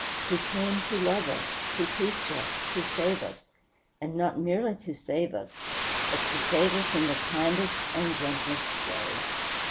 He came to love us, to teach us, to save us; and not merely to save us, but to save us in the kindest and gentlest way.